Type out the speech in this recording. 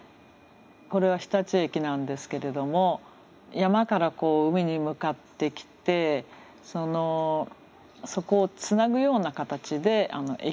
これは日立駅なんですけれども山から海に向かってきてそこをつなぐような形で駅があります。